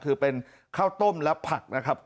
คือเป็นข้าวต้มและผักนะครับ